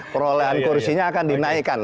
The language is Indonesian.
perolehan kursinya akan dinaikkan